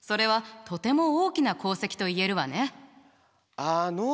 あの。